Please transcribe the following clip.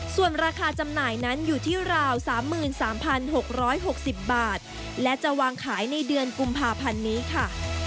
ส่วนราคาจำหน่ายนั้นอยู่ที่ราว๓๓๖๖๐บาทและจะวางขายในเดือนกุมภาพันธ์นี้ค่ะ